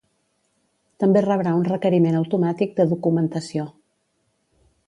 També rebrà un requeriment automàtic de documentació.